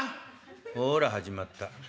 「ほら始まった。